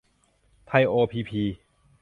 ไทย โอ พี พี